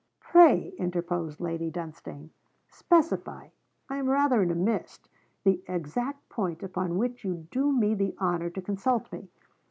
'Pray,' interposed Lady Dunstane, 'specify I am rather in a mist the exact point upon which you do me the honour to consult me.'